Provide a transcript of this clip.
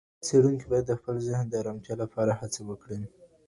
څېړونکی باید د خپل ذهن د ارامتیا لپاره هڅه وکړي.